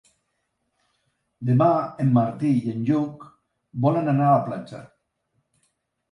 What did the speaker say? Demà en Martí i en Lluc volen anar a la platja.